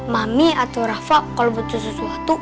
mami atau rafa kalau butuh sesuatu